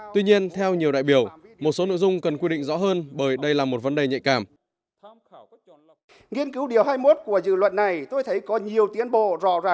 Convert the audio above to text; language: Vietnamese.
tuy nhiên theo nhiều đại biểu một số nội dung cần quy định rõ hơn bởi đây là một vấn đề nhạy cảm